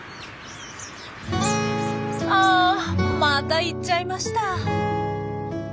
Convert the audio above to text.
あまた行っちゃいました。